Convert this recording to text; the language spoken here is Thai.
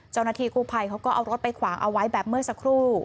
เจ้าหน้าที่กู้ภัยเขาก็เอารถไปขวางเอาไว้แบบเมื่อสักครู่